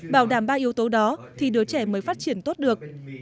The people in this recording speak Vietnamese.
bảo đảm ba yếu tố đó thì đứa trẻ mới phát triển tốt được